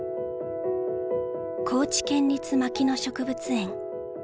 高知県立牧野植物園。